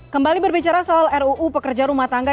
kembali berbicara soal ruu pekerja rumah tangga